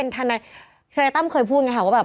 ธนายตั้มเคยพูดไงครับว่า